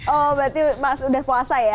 oh berarti mas udah puasa ya